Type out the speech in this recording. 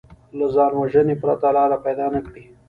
له ځانوژنې پرته لاره پیدا نه کړي